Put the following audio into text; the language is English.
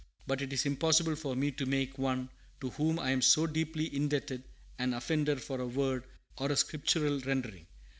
But it is impossible for me to make one to whom I am so deeply indebted an offender for a word or a Scriptural rendering.